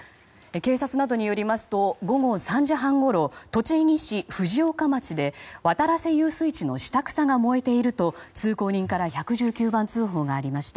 警察などによりますと午後３時半ごろ栃木市藤岡町で渡良瀬遊水地の下草が燃えていると通行人から１１９番通報がありました。